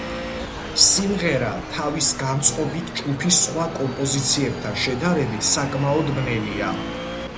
სიმღერა თავისი განწყობით ჯგუფის სხვა კომპოზიციებთან შედარებით საკმაოდ ბნელია.